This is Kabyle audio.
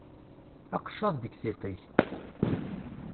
Aqeccaḍ deg tiṭ-ik!